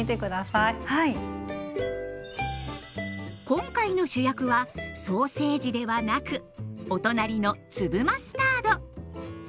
今回の主役はソーセージではなくお隣の粒マスタード。